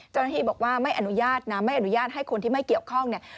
เจ้าหน้าที่บอกว่าไม่อนุญาตนะไม่อนุญาตให้คนที่ไม่เกี่ยวข้องเนี่ย